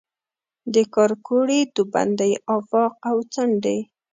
د کارکوړي، دوبندۍ آفاق او څنډي